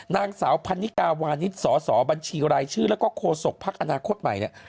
นางสาวพันนิกาวานิสสบัญชีรายชื่อแล้วก็โฆษกภักดิ์อนาคตใหม่เนี่ย